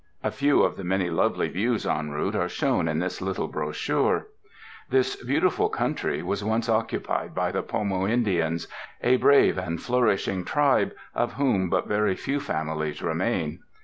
A few of the many lovely views en route are shown in this little brochure. This beautiful country was once occupied by the Pomo Indians, a brave and flourishing tribe, of whom but very few families remain.